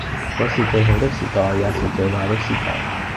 這是最好的時代，也是最壞的時代，